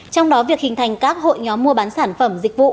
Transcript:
trong đó việc hình thành các hội nhóm mua bán sản phẩm dịch vụ